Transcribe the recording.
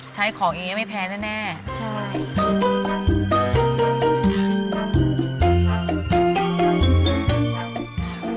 ใช้ของอย่างนี้ไม่แพ้แน่ใช่